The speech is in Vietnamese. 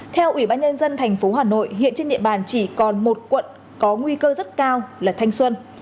theo ubnd tp hà nội hiện trên địa bàn chỉ còn một quận có nguy cơ rất cao là thanh xuân